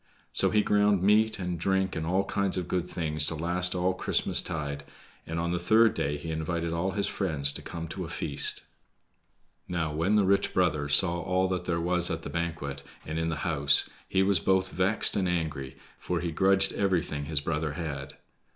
So he ground meat and drink and all kinds of good things to last all Christmastide, and on the third day he invited all his friends to come to a feast. Now, when the rich brother saw all that there was at the banquet, and in the house, he was both vexed and angry, for he grudged everything his brother had.